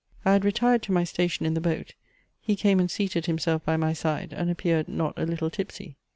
I had retired to my station in the boat he came and seated himself by my side, and appeared not a little tipsy.